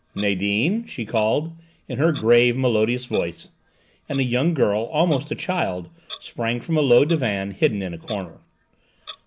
"Nadine," she called, in her grave, melodious voice, and a young girl, almost a child, sprang from a low divan hidden in a corner.